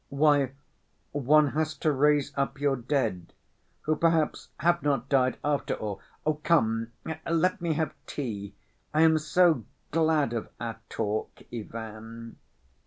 "Why, one has to raise up your dead, who perhaps have not died after all. Come, let me have tea. I am so glad of our talk, Ivan."